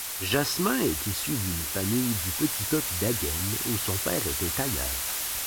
Jasmin est issu d’une famille du petit peuple d’Agen, où son père était tailleur.